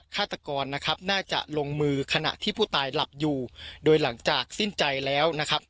ฆาตกรนะครับน่าจะลงมือขณะที่ผู้ตายหลับอยู่โดยหลังจากสิ้นใจแล้วนะครับ